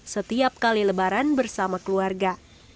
setiap kali lebaran bersama keluarga